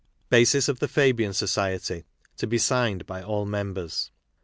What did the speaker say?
BASIS OF THE FABIAN SOCIETY. (To BE SIGNED BY ALL MEMBERS.)